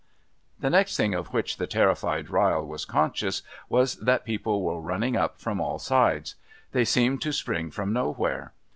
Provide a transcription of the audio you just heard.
The next thing of which the terrified Ryle was conscious was that people were running up from all sides. They seemed to spring from nowhere.